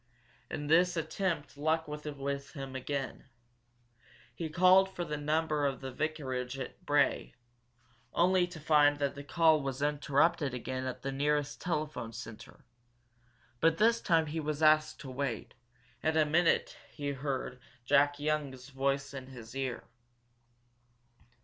In this attempt luck was with him again. He called for the number of the vicarage at Bray, only to find that the call was interrupted again at the nearest telephone center. But this time he was asked to wait, and in a minute he heard Jack Young's voice in his ear.